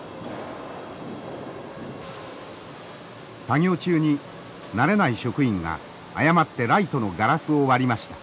作業中に慣れない職員が誤ってライトのガラスを割りました。